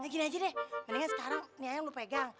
gini aja deh mendingan sekarang ini ayam lu pegang